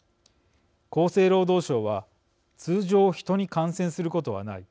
厚生労働省は「通常、ヒトに感染することはない。